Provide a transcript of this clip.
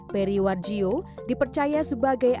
peri warjio dipercaya sebagai